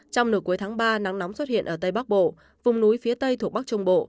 trong nửa cuối tháng ba nắng nóng xuất hiện ở tây bắc bộ vùng núi phía tây thuộc bắc trung bộ